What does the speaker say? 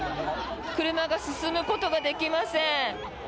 車が進むことができません。